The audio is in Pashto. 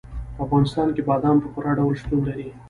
په افغانستان کې بادام په پوره ډول شتون لري.